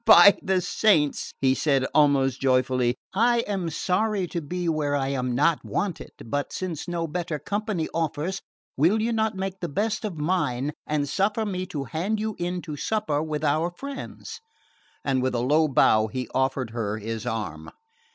"By the saints," said he, almost joyously, "I am sorry to be where I am not wanted; but since no better company offers, will you not make the best of mine and suffer me to hand you in to supper with our friends?" And with a low bow he offered her his arm.